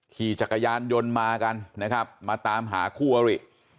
ขี่จักรยานยนต์มากันนะครับมาตามหาคู่อริ